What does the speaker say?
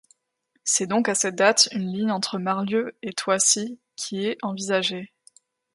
C'est donc à cette date une ligne entre Marlieux et Thoissey qui est envisagée.